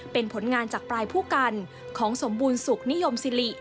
เป็นผลงานจากปลายผู้กันของสมบูรณสุขนิยมสิริ